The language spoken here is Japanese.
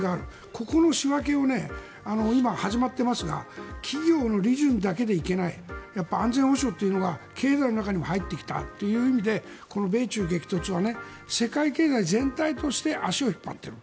ここの仕分けを今、始まっていますが企業の利潤だけでいけない安全保障というのが経済の中にも入ってきたという意味でこの米中激突は世界経済全体として足を引っ張っている。